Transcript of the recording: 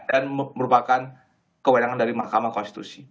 dan merupakan kewenangan dari mahkamah konstitusi